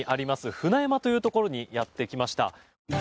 舟山というところにやってきました。